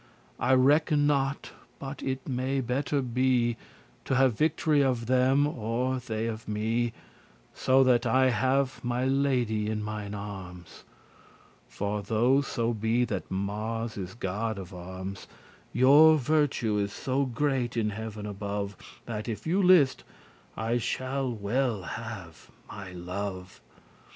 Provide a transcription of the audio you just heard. I *recke not but* it may better be *do not know whether* To have vict'ry of them, or they of me, So that I have my lady in mine arms. For though so be that Mars is god of arms, Your virtue is so great in heaven above, That, if you list, I shall well have my love.